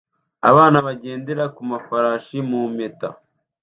Abana bagendera ku mafarashi mu mpeta